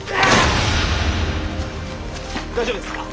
大丈夫ですか？